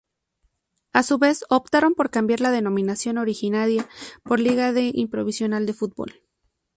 A su vez optaron por cambiar la denominación originaria por Liga Interprovincial de Fútbol.